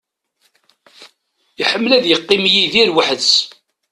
Iḥemmel ad yeqqim Yidir weḥd-s.